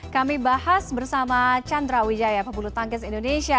kami bahas bersama chandra wijaya pebulu tangkis indonesia